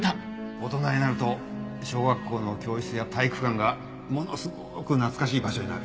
大人になると小学校の教室や体育館がものすごく懐かしい場所になる。